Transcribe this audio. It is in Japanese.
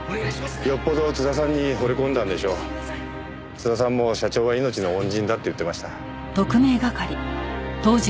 津田さんも社長は命の恩人だって言ってました。